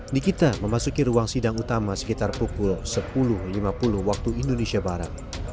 nikita memasuki ruang sidang utama sekitar pukul sepuluh lima puluh waktu indonesia barat